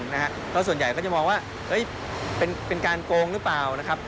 เพราะส่วนใหญ่ก็จะมองว่าเป็นการโกงหรือเปล่านะครับ